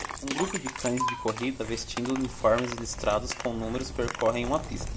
Um grupo de cães de corrida vestindo uniformes listrados com números percorrem uma pista.